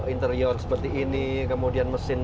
interior seperti ini kemudian mesin